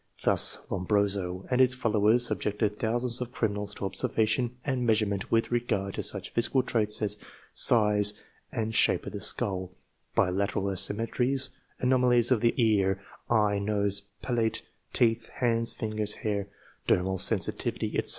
Thus, Lombroso and his followers subjected thousands of criminals to observation and measurement with regard to such physical traits as size and shape of the skull, bilateral asymmetries, anomalies of the ear, eye, nose, palate, teeth, hands, fingers, hair, dermal sensitivity, etc.